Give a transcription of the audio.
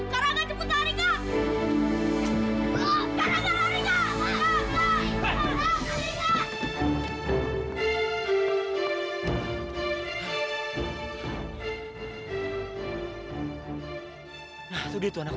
cara nggak jemput ariga